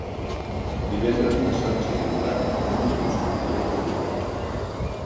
Divendres na Sança i en Drac van a l'Hospitalet de Llobregat.